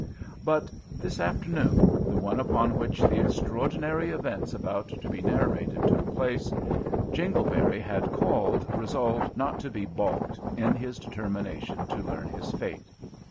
But this afternoon the one upon which the extraordinary events about to be narrated took place Jingleberry had called resolved not to be balked in his determination to learn his fate.